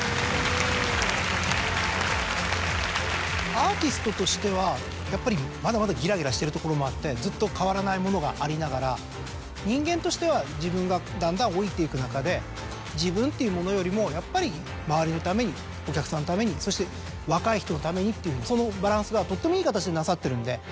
アーティストとしてはやっぱりまだまだギラギラしてるところもあってずっと変わらないものがありながら人間としては自分がだんだん老いていく中で自分っていうものよりもやっぱり周りのためにお客さんのためにそして若い人のためにっていうそのバランスがとってもいい形になさってるので。